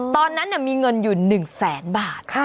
ตอนนั้นมีเงินอยู่๑แสนบาท